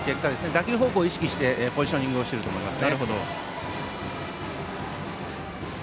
打球方向を意識してポジショニングしていると思います。